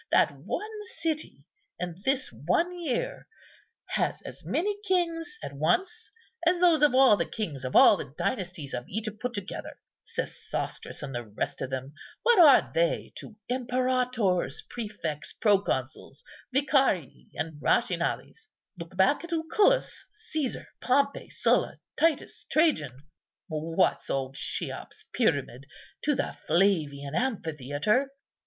That one city, in this one year, has as many kings at once as those of all the kings of all the dynasties of Egypt put together. Sesostris, and the rest of them, what are they to imperators, prefects, proconsuls, vicarii, and rationales? Look back at Lucullus, Cæsar, Pompey, Sylla, Titus, Trajan. What's old Cheops' pyramid to the Flavian amphitheatre?